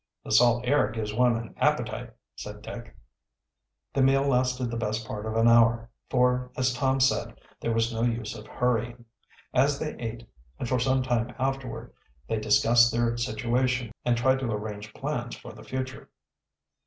"The salt air gives one an appetite," said Dick. The meal lasted the best part of an hour, for, as Tom said, there was no use of hurrying. As they ate, and for some time afterward, they discussed their situation and tried to arrange plans for the future.